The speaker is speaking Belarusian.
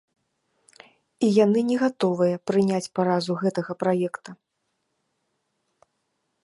І яны не гатовыя прыняць паразу гэтага праекта.